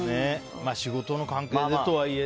仕事の関係でとはいえ